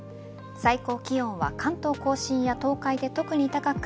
最高気温は関東甲信や東海で特に高く